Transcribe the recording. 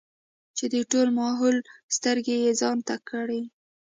چې د ټول ماحول سترګې يې ځان ته کړې ـ